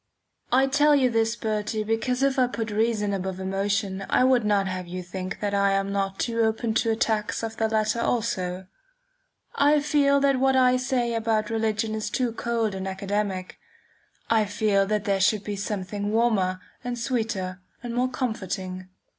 I tell you this, Bertie, because if I put reason above emotion I would not have you think that I am not open to attacks of the latter also. I feel that what I say about religion is too cold and academic. I feel that there should be something warmer and sweeter and more comforting.